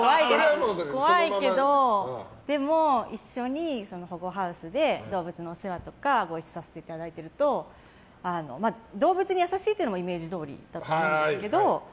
怖いけどでも一緒に保護ハウスで動物のお世話とかご一緒させていただいていると動物に優しいというのもイメージどおりだと思うんですけど